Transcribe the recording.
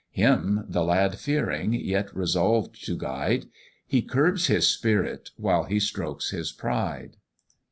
Him the lad fearing yet resolved to guide, He curbs his spirit while he strokes his pride.